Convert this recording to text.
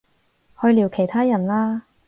去聊其他人啦